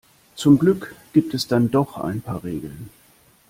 Zum Glück gibt es dann doch ein paar Regeln.